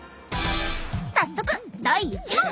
早速第１問。